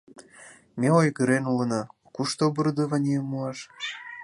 Ме ойгырен улына — кушто оборудованийым муаш?